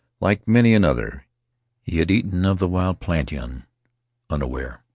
Like many another, he had eaten of the wild plantain unaware.